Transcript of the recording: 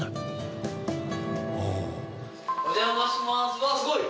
うわっすごい！